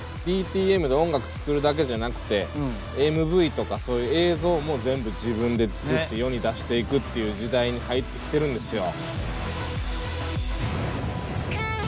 ＤＴＭで音楽作るだけじゃなくてＭＶとかそういう映像も全部自分で作って世に出していくっていう時代に入ってきてるんですよ。